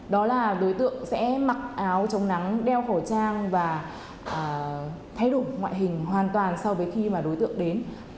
đó là đối tượng sẽ mặc áo trống nắng đeo khẩu trang và thay đổi ngoại hình hoàn toàn sau khi đối tượng đến